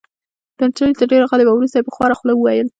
نجلۍ تر دېره غلې وه. وروسته يې په خواره خوله وویل: